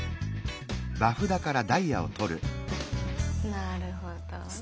なるほど。